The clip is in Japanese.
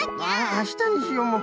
あしたにしようもう。